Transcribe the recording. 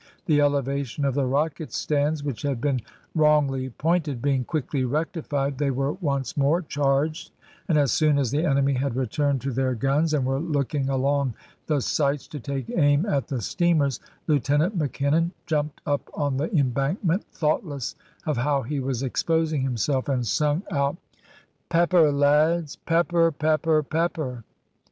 The elevation of the rocket stands which had been wrongly pointed being quickly rectified, they were once more charged, and as soon as the enemy had returned to their guns and were looking along the sights to take aim at the steamers, Lieutenant Mackinnon jumped up on the embankment, thoughtless of how he was exposing himself, and sung out "Pepper, lads! pepper! pepper pepper!"